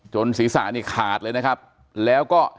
ศีรษะนี่ขาดเลยนะครับแล้วก็